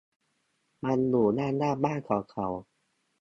มันอยู่ด้านหน้าบ้านของเขา